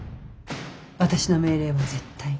私の命令は絶対。